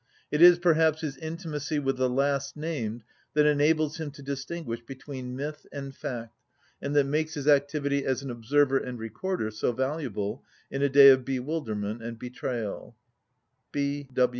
It is, perhaps, his intimacy with the last named that enables him to distinguish between myth and fact and that makes his activity as an observer and recorder so valuable in a day of bewilderment and betrayal.